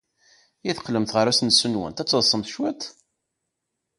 I teqqlemt ɣer usensu-nwent, ad teḍḍsemt cwiṭ?